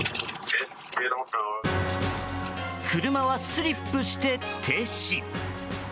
車はスリップして停止。